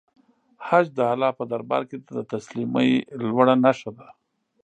حج د الله په دربار کې د تسلیمۍ لوړه نښه ده.